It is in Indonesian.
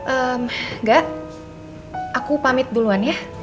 emm gak aku pamit duluan ya